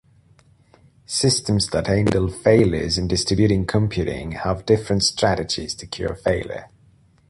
Systems that handle failures in distributed computing have different strategies to cure a failure.